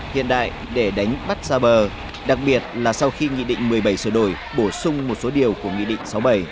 hiện đại để đánh bắt ra bờ đặc biệt là sau khi nghị định một mươi bảy sửa đổi bổ sung một số điều của nghị định sáu mươi bảy